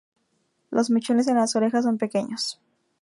Los mechones en las orejas son pequeños.